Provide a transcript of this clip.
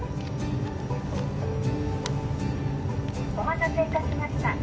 お待たせいたしました。